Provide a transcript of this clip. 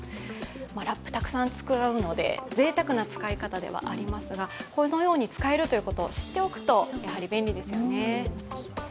ラップ、たくさん使うのでぜいたくな使い方ではありますがこのように使えると知っておくと便利ですよね。